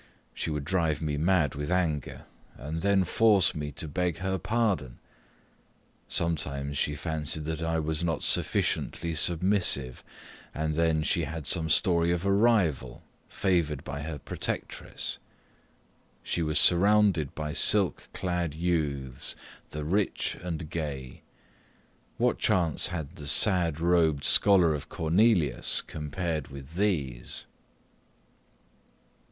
She would drive me mad with anger, and then force me to beg her pardon. Sometimes she fancied that I was not sufficiently submissive, and then she had some story of a rival, favoured by her protectress. She was surrounded by silk clad youths the rich and gay What chance had the sad robed scholar of Cornelius compared with these?